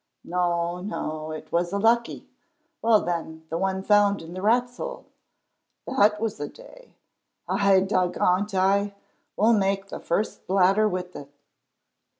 No, no, it was a lucky. Well, then, the one found in the rat's hole? (That was a day!) Ay, dagont, ay, we'll make the first blatter with it.